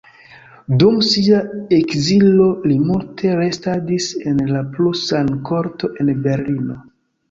Dum sia ekzilo li multe restadis en la prusa korto en Berlino.